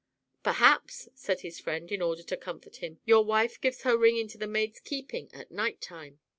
" Perhaps," said his friend in order to comfort him, "your wife gives her ring into the maid's keeping at night time."